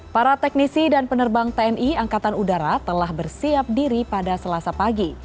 para teknisi dan penerbang tni angkatan udara telah bersiap diri pada selasa pagi